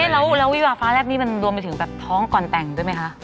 แล้ววิวาฟ้าแรบนี้มันรวมไปถึงแบบท้องก่อนแต่งด้วยไหมคะ